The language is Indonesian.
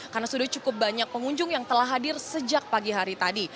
karena sudah cukup banyak pengunjung yang telah hadir sejak pagi hari tadi